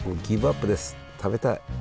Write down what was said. ギブアップです食べたい。